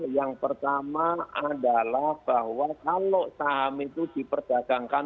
yang pertama adalah bahwa kalau saham itu diperdagangkan